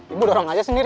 ibu dorong aja sendiri